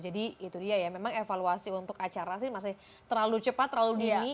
jadi itu dia ya memang evaluasi untuk acara sih masih terlalu cepat terlalu dingin